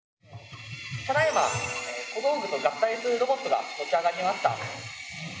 ただいま小道具と合体するロボットが持ち上がりました。